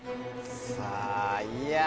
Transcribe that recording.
さぁいや。